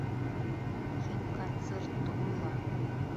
Һин концертты уйла!